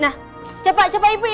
nah coba ibu yang buka poninya